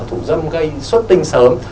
thủ dâm gây xuất tinh sớm